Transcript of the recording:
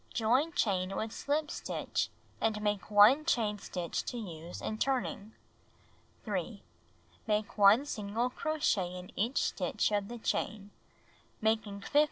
Join chain with slijo stitch and make 1 chain stitch to use in turning. 3. Make 1 single crochet in each stitch of the chain, making Make tassel.